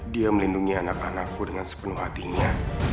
dia melindungi anak anakku dengan sepenuh hatinya